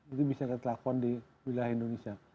itu bisa dilakukan di wilayah indonesia